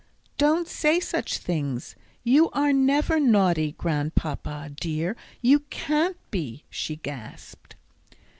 "Don't say such things. You are never naughty, Grandpapa dear; you can't be," she gasped.